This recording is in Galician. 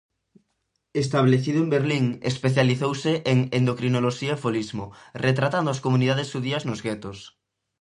Establecido en Berlín, especializouse en endocrinoloxía e folismo, retratando as comunidades xudías nos guetos.